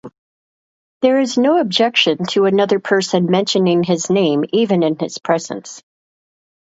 There is no objection to another person mentioning his name even in his presence.